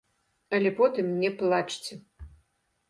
Але потым не плачце.